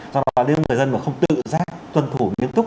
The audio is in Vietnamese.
do đó nếu người dân mà không tự giác tuân thủ nghiêm túc